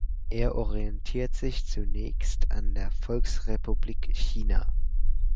Er orientierte sich zunächst an der Volksrepublik China.